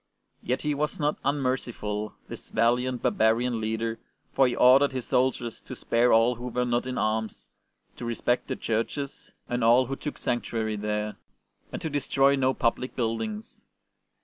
Yet he was not unmerciful, this valiant, barbarian leader, for he ordered his soldiers to spare all who were not in arms, to respect the churches i6 ST. BENEDICT and all who took sanctuary there, and to destroy no public buildings.